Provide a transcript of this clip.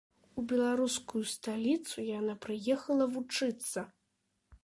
У беларускую сталіцу яна прыехала вучыцца.